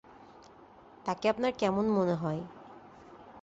তাকে আপনার কেমন মনে হয়?